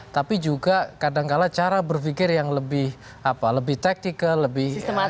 tapi juga kadangkala cara berpikir yang lebih apa lebih tactical lebih sistematis